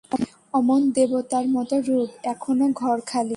অমন দেবতার মতো রূপ, এখনো ঘর খালি!